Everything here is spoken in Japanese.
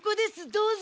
どうぞ。